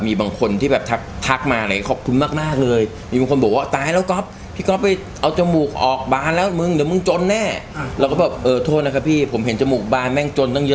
ตรงปากก็ไม่ยากมากปากกับคางใช้เวลาอย่างละประมาณ๔๐นาที